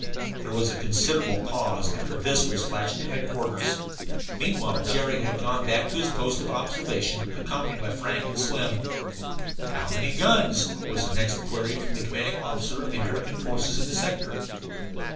There was a considerable pause after this was flashed to headquarters. Meanwhile Jerry had gone back to his post of observation, accompanied by Frank and Slim. "How many big guns?" was the next query from the commanding officer of the American forces in the sector.